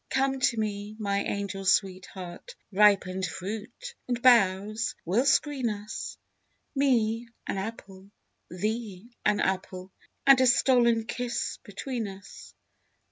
Come to me, my angel sweetheart, Ripened fruit and boughs will screen us; Me—an apple; thee—an apple; And a stolen kiss between us.